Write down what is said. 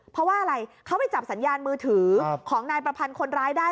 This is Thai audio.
เพราะว่าอะไรเขาไปจับสัญญาณมือถือของนายประพันธ์คนร้ายได้